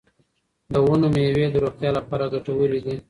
د ونو میوې د روغتیا لپاره ګټورې دي.